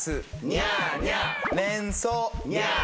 ニャーニャー。